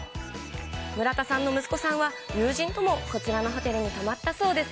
村田さんの息子さんは友人ともこちらのホテルに泊まったそうです